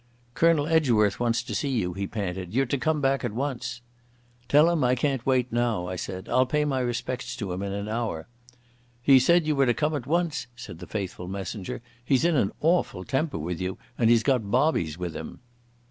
"Colonel Edgeworth wants to see you," he panted. "You're to come back at once." "Tell him I can't wait now," I said. "I'll pay my respects to him in an hour." "He said you were to come at once," said the faithful messenger. "He's in an awful temper with you, and he's got bobbies with him."